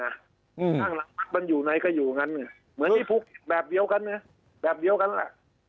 ข้างหลังมันอยู่ไหนก็อยู่งั้นเหมือนที่ภูเขียนแบบเดียวกันเนี่ยแบบเดียวกันแหละ